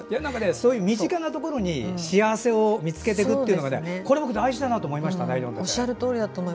そういう身近なところに幸せを見つけていくということが大事だと思いましたね。